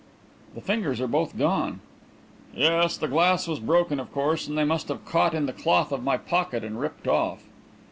"The fingers are both gone." "Yes; the glass was broken, of course, and they must have caught in the cloth of my pocket and ripped off."